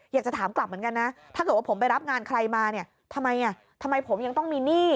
อยากจะถามกลับเหมือนกันนะถ้าเกิดว่าผมไปรับงานใครมาเนี่ยทำไมอ่ะทำไมผมยังต้องมีหนี้